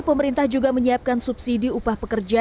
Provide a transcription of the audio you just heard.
pemerintah juga menyiapkan subsidi upah pekerja